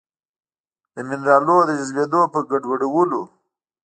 د مېنرالونو د جذبېدو په ګډوډولو